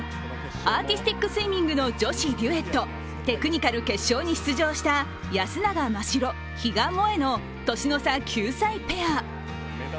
アーティスティックスイミングの女子デュエット、テクニカル決勝に出場した安永真白・比嘉もえの年の差９歳ペア。